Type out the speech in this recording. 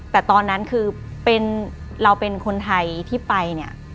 แต่ตอนนั้นคือเราเป็นคนไทยที่ไปเนี่ย